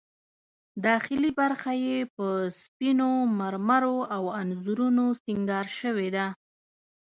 داخلي برخه یې په سپینو مرمرو او انځورونو سینګار شوې ده.